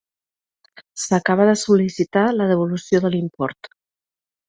S'acaba de sol·licitar la devolució de l'import.